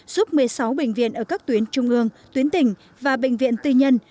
giúp một mươi sáu bệnh viện ở các tuyến trung ương tuyến tỉnh và bệnh viện tư nhân